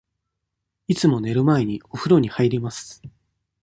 いつも寝る前に、おふろに入ります。